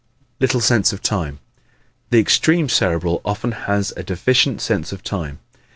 Little Sense of Time ¶ The extreme Cerebral often has a deficient sense of time.